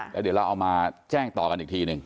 แล้วเดี๋ยวเราเอามาแจ้งต่อกันอีกทีหนึ่ง